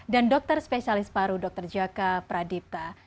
dan dokter spesialis paru dr jaka pradipta